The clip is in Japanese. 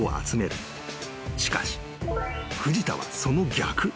［しかし藤田はその逆］